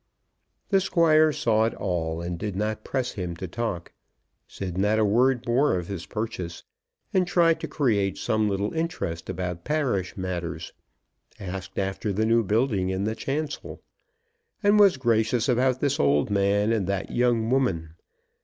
The Squire saw it all, and did not press him to talk; said not a word more of his purchase, and tried to create some little interest about parish matters; asked after the new building in the chancel, and was gracious about this old man and that young woman.